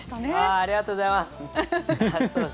ありがとうございます。